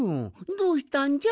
どうしたんじゃ？